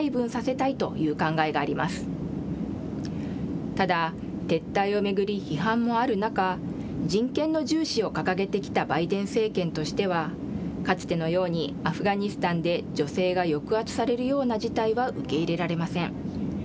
ただ、撤退を巡り批判もある中、人権の重視を掲げてきたバイデン政権としては、かつてのようにアフガニスタンで女性が抑圧されるような事態は受け入れられません。